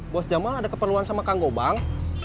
bos jamal ada keperluan sama kang gobang